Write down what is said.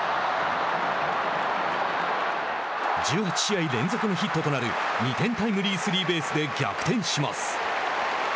１８試合連続のヒットとなる２点タイムリースリーベースで逆転します。